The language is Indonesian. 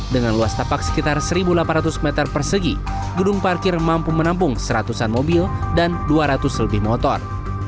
dengan luas tapak sekitar satu delapan ratus meter persegi gedung parkir mampu menampung seratusan mobil dan dua ratus lebih motor